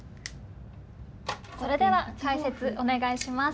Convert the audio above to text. それでは解説お願いします。